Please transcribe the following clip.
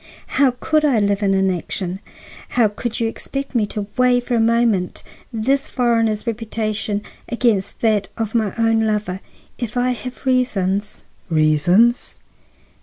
How could I live in inaction? How could you expect me to weigh for a moment this foreigner's reputation against that of my own lover? If I have reasons—" "Reasons!"